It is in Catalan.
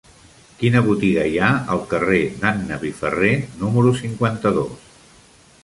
Quina botiga hi ha al carrer d'Anna Piferrer número cinquanta-dos?